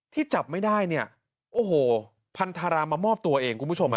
ที่จับไม่ได้โอ้โหพันธารามามอบตัวเองคุณผู้ชม